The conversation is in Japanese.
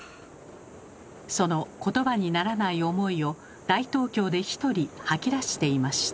その言葉にならない思いを大東京でひとり吐き出していました。